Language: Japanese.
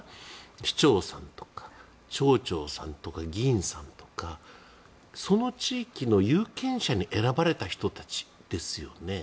市長さんとか町長さんとか議員さんとかその地域の有権者に選ばれた人たちですよね。